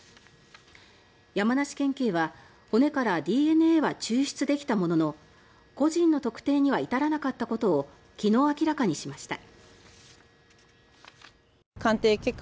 山梨県警は骨からＤＮＡは抽出できたものの個人の特定には至らなかったことを昨日明らかにしました。